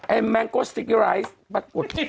แอมแมงโก้สติกกี้ไรส์ปรากฏ